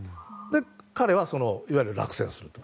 彼は、いわゆる落選すると。